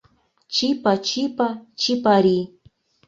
Чипа, чипа — чипари;